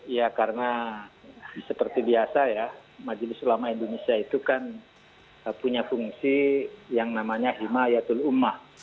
ya karena seperti biasa ya majelis ulama indonesia itu kan punya fungsi yang namanya himayatul umah